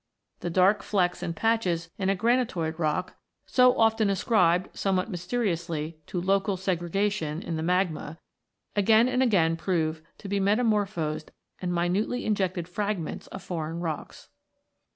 The dark flecks and patches in a granitoid rock, so often ascribed, 132 ROCKS AND THEIR ORIGINS [CH. somewhat mysteriously, to local " segregation " in the magma, again and again prove to be metamorphosed and minutely injected fragments of foreign rockstss).